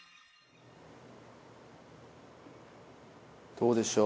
どうでしょう？